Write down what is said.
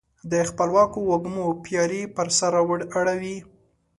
د خپلواکو وږمو پیالي پر سر اړوي